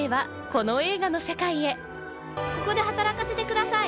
ここで働かせてください。